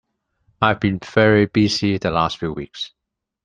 I've been very busy the last few weeks.